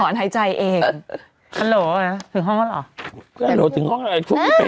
ถอนหายใจเองฮัลโหลเอาละถึงห้องก็ละเอาละถึงห้องแล้ว